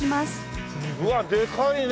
うわでかいね！